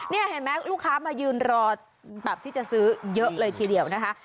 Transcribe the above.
นี่เห็นไหมลูกค้ามายืนรอแบบที่จะซื้อเยอะเลยทีเดียวนะคะ